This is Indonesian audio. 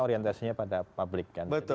orientasinya pada publik